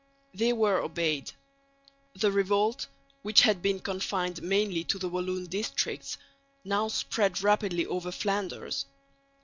They were obeyed. The revolt, which had been confined mainly to the Walloon districts, now spread rapidly over Flanders.